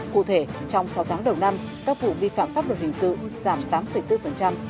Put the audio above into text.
cụ thể trong sáu tháng đầu năm các vụ vi phạm pháp luật hình sự giảm tám bốn